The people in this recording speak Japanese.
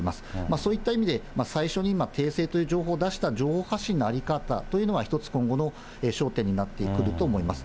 そういった意味で最初に訂正という情報を出した情報発信の在り方というのは、一つ今後の焦点になってくると思います。